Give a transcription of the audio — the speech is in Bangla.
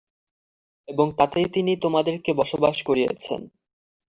এবং তাতেই তিনি তোমাদেরকে বসবাস করিয়েছেন।